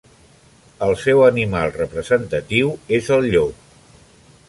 El seu animal representatiu és el llop.